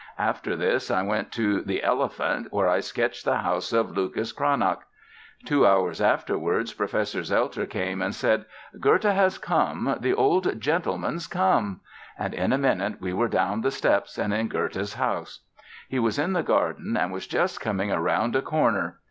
After this I went to the 'Elephant', where I sketched the house of Lucas Cranach. Two hours afterwards, Professor Zelter came and said: 'Goethe has come—the old gentleman's come!' and in a minute we were down the steps and in Goethe's house. He was in the garden and was just coming around a corner.